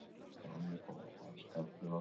Hazitegia programako lehen alea izango da.